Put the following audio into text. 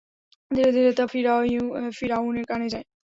ধীরে ধীরে তা ফিরআউনের কানে যায়।